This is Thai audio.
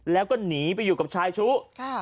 แล้วก็หนีไปอยู่กับชายชู้